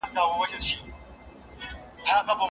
موږ ډېري مڼې راوړې.